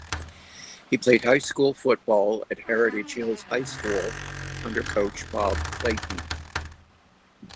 He played high school football at Heritage Hills High School under Coach Bob Clayton.